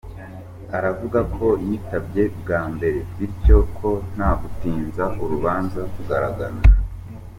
Aravuga ko yitabye bwa mbere bityo ko nta gutinza urubanza kugaragara.